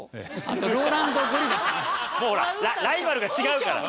ほらライバルが違うから。